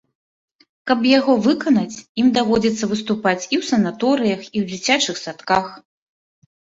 Каб яго выканаць, ім даводзіцца выступаць і ў санаторыях, і ў дзіцячых садках.